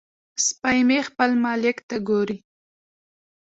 سپی مې خپل مالک ته ګوري.